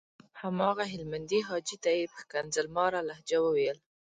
هماغه هلمندي حاجي ته یې په ښکنځل ماره لهجه وويل.